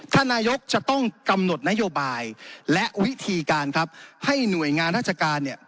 ท่านนายกจะต้องกำหนดนโยบายและวิธีการครับให้หน่วยงานราชการเนี่ย